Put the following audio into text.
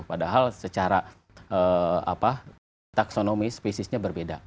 padahal secara taksonomi spesiesnya berbeda